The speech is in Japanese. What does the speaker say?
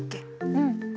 うん。